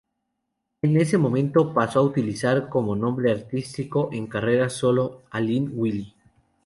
En ese momento, pasó a utilizar como nombre artístico en carrera solo Aline Willy.